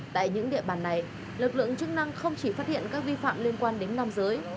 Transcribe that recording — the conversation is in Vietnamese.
tại những địa bàn này lực lượng chức năng không chỉ phát hiện các vi phạm liên quan đến nam giới